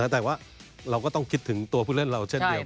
แต่ว่าเราก็ต้องคิดถึงตัวผู้เล่นเราเช่นเดียว